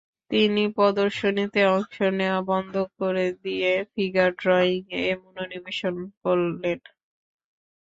তিনি প্রদর্শনীতে অংশ নেওয়া বন্ধ করে দিয়ে ফিগার ড্রয়িং-এ মনোনিবেশ করলেন।